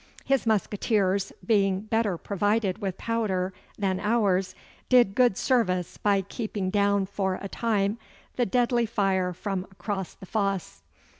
His musqueteers being better provided with powder than ours did good service by keeping down for a time the deadly fire from across the fosse.